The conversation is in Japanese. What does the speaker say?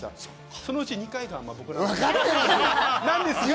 そのうち２回が僕なんですけど。